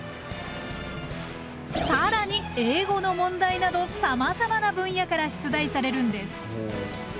更に英語の問題などさまざまな分野から出題されるんです。